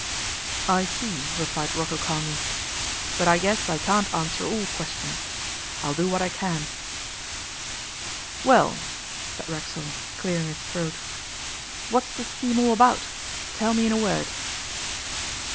'I see,' replied Rocco calmly, 'but I guess I can't answer all questions. I'll do what I can.' 'Well,' said Racksole, clearing his throat, 'what's the scheme all about? Tell me in a word.